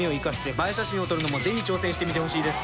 映え写真を撮るのも是非挑戦してみてほしいです。